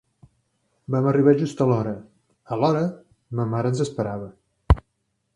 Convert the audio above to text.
Vam arribar just a l'hora; alhora, ma mare ens esperava.